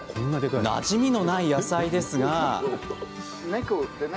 なじみのない野菜ですが。